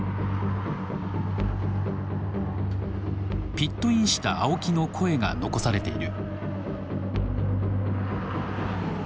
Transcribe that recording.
ピットインした青木の声が残されている。